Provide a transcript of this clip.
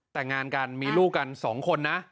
แต่งงานกันมีลูกกัน๒คนนะ